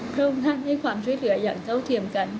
พระองค์ท่านให้ความช่วยเหลืออย่างเท่าเทียมกัน